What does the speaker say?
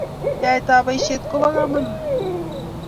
Yaet ab boishet koba kamanut